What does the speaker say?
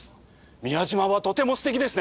宮島はとてもすてきですね！